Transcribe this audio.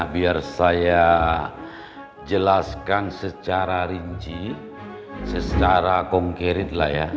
biar saya jelaskan secara rinci secara konkret lah ya